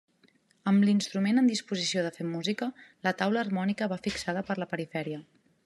Amb l'instrument en disposició de fer música, la taula harmònica va fixada per la perifèria.